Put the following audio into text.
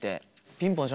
ピンポン。